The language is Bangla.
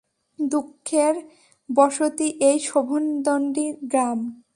দুঃখের বসতি এই শোভনদন্ডী গ্রাম।